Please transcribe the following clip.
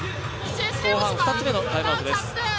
後半２つ目のタイムアウトです。